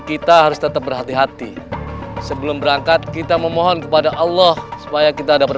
kita harus tetap berhati hati sebelum berangkat kita memohon kepada allah supaya kita dapat